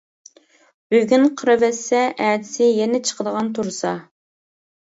بۈگۈن قىرىۋەتسە ئەتىسى يەنە چىقىدىغان تۇرسا.